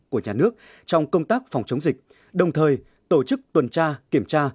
của nhà nước trong công tác phòng chống dịch đồng thời tổ chức tuần tra kiểm tra